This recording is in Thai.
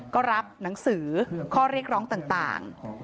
ก็รับหนังสือข้อเรียกร้องต่าง